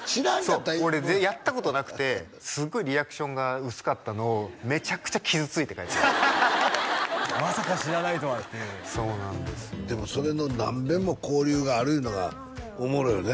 俺やったことなくてすごいリアクションが薄かったのをめちゃくちゃ傷ついて帰っていったまさか知らないとはっていうそうなんですよでもそれの何べんも交流があるいうのがおもろいよね